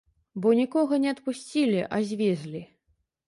Бо нікога не адпусцілі, а звезлі.